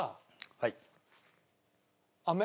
はい。